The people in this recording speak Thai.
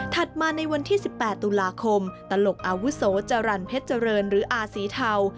มาในวันที่๑๘ตุลาคมตลกอาวุโสจรรย์เพชรเจริญหรืออาสีเทา